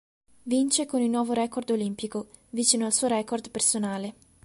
Vince con il nuovo record olimpico, vicino al suo record personale.